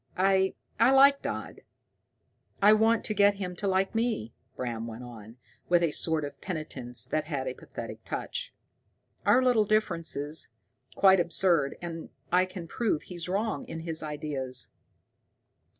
I I like Dodd. I want to get him to like me," Bram went on, with a sort of penitence that had a pathetic touch. "Our little differences quite absurd, and I can prove he's wrong in his ideas.